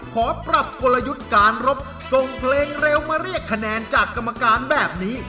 ขอปรับกลยุทธ์การรบส่งเพลงเร็วมาเรียกคะแนนจากกรรมการแบบนี้